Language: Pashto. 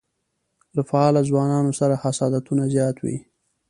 له فعالو ځوانانو سره حسادتونه زیات وي.